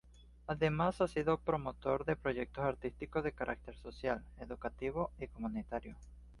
Además, ha sido promotor de proyectos artísticos de carácter social, educativo y comunitario.